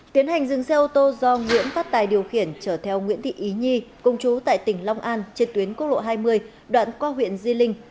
tiến hành dừng xe ô tô do nguyễn phát tài điều khiển trở theo nguyễn thị ý nhi công chú tại tỉnh long an trên tuyến quốc lộ hai mươi đoạn qua huyện di linh